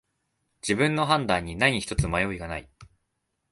自分の判断に何ひとつ迷いがない